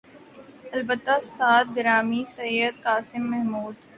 البتہ استاد گرامی سید قاسم محمود